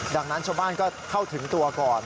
ดังนั้นชาวบ้านก็เข้าถึงตัวก่อน